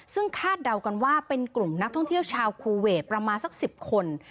ซึ่งคาดเดากันว่าเป็นกลุ่มนักท่องเที่ยวชาวคูเวทประมาณสัก๑๐คน